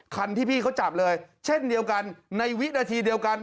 คันที่พี่เขาจับเลยเช่นเดียวกันในวินาทีเดียวกัน